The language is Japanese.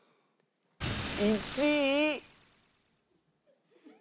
１位。